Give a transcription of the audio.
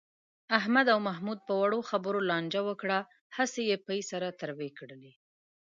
احمد او محمود په وړو خبرو لانجه وکړه. هسې یې پۍ سره تروې کړلې.